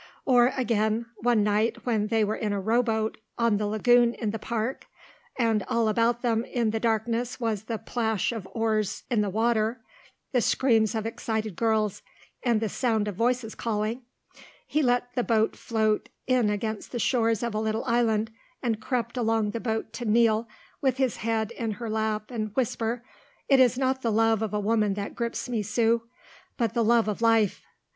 Or, again, one night when they were in a rowboat on the lagoon in the park and all about them in the darkness was the plash of oars in the water, the screams of excited girls, and the sound of voices calling, he let the boat float in against the shores of a little island and crept along the boat to kneel, with his head in her lap and whisper, "It is not the love of a woman that grips me, Sue, but the love of life.